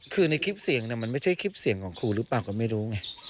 คือในคลิปเสียงมันไม่ใช่คลิปเสียงของครูหรือเปล่าก็ไม่รู้ไง